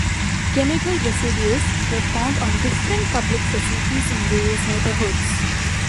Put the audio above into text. Chemical residues were found on different public facilities in various neighbourhoods.